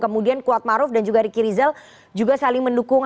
kemudian kuat maruf dan juga riki rizal juga saling mendukung